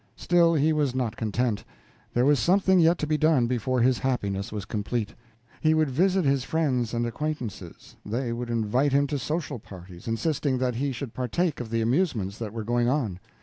Still, he was not content; there was something yet to be done before his happiness was complete. He would visit his friends and acquaintances. They would invite him to social parties, insisting that he should partake of the amusements that were going on.